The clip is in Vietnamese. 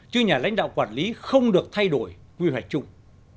chứ nhà lãnh đạo quản lý không được thay đổi quy hoạch chung